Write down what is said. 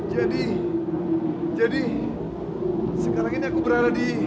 jadi jadi sekarang ini aku berada di